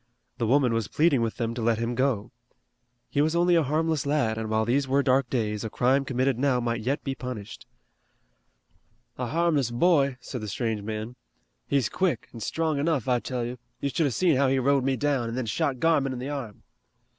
The woman was pleading with them to let him go. He was only a harmless lad, and while these were dark days, a crime committed now might yet be punished. "A harmless boy," said the strange man. "He's quick, an' strong enough, I tell you. You should have seen how he rode me down, and then shot Garmon in the arm."